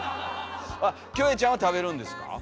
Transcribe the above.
キョエちゃんは食べるんですか？